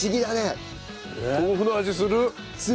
豆腐の味する！